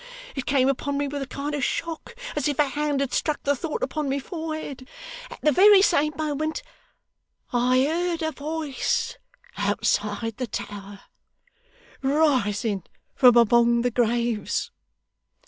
It came upon me with a kind of shock, as if a hand had struck the thought upon my forehead; at the very same moment, I heard a voice outside the tower rising from among the graves.